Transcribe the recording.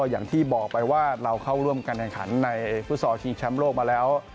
อย่างที่บอกไปว่าเราเข้าร่วมกันแรงขันในฟุตสอร์ธริงชั้มโลกมาแล้ว